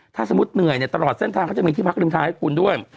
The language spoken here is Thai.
ถ้าสมมุติเหนื่อยเนี่ยตลอดเส้นทางเขาจะมีที่พักริมทางให้คุณด้วย